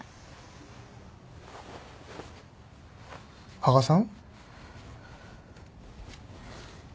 羽賀さん？